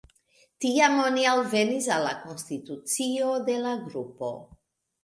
Tiam oni alvenis al la konstitucio de la grupo.